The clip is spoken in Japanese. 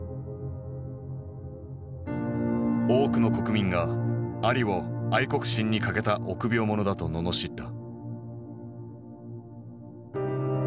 多くの国民がアリを愛国心に欠けた臆病者だと罵った。